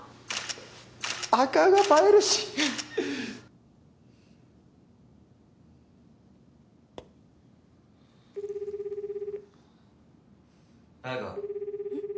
赤が映えるし綾華うん？